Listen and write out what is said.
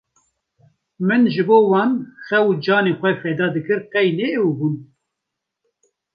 min ji bo wan xew û canê xwe feda dikir qey ne ew bûn.